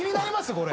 これ。